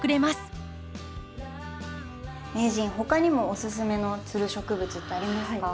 名人他にもおすすめのつる植物ってありますか？